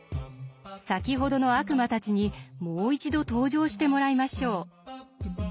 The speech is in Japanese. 先ほどの悪魔たちにもう一度登場してもらいましょう。